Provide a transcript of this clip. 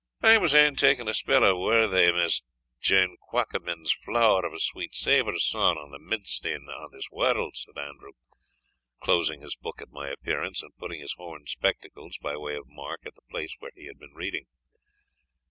"I was e'en taking a spell o' worthy Mess John Quackleben's Flower of a Sweet Savour sawn on the Middenstead of this World," said Andrew, closing his book at my appearance, and putting his horn spectacles, by way of mark, at the place where he had been reading.